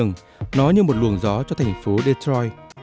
nó như một luồng gió cho thành phố detroit